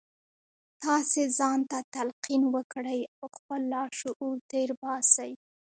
تاسې ځان ته تلقین وکړئ او خپل لاشعور تېر باسئ